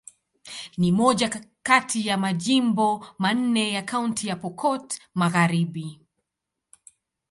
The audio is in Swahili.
Ni moja kati ya majimbo manne ya Kaunti ya Pokot Magharibi.